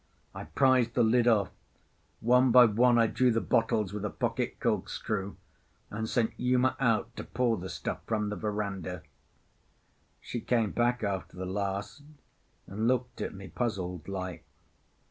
I prized the lid off. One by one I drew the bottles with a pocket corkscrew, and sent Uma out to pour the stuff from the verandah. She came back after the last, and looked at me puzzled like.